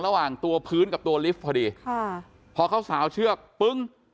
ระหว่างตัวพื้นกับตัวลิฟต์พอดีค่ะพอเขาสาวเชือกปึ้ง